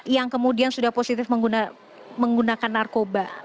yang kemudian sudah positif menggunakan narkoba